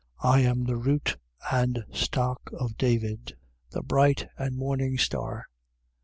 I am the root and stock of David, the bright and morning star.